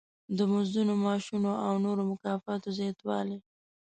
د مزدونو، معاشونو او د نورو مکافاتو زیاتوالی.